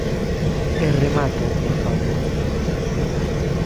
E remate, por favor.